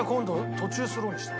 途中スローにした。